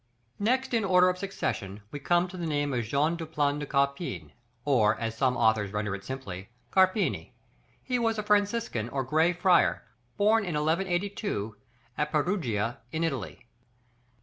Next in order of succession we come to the name of Jean du Plan de Carpin, or as some authors render it simply, Carpini. He was a Franciscan or Grey Friar, born in 1182, at Perugia in Italy.